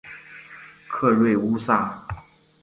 克瑞乌萨。